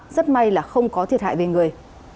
rất may là không có thiệt hại về người